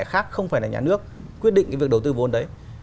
khác không phải là nhà nước quyết định cái việc đầu tư vốn đấy